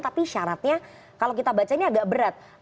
tapi syaratnya kalau kita baca ini agak berat